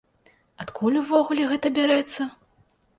Адкуль увогуле гэта бярэцца?